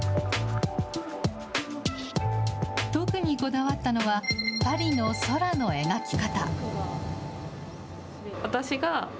特にこだわったのは、パリの空の描き方。